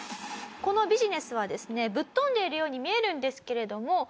このビジネスはですねぶっ飛んでいるように見えるんですけれども。